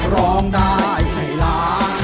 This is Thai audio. ร้องได้ให้ล้าน